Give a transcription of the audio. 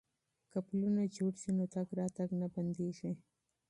که پلونه جوړ شي نو تګ راتګ نه بندیږي.